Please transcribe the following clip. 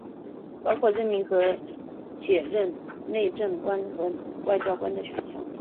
包括任命和解任内政管和外交官的选项。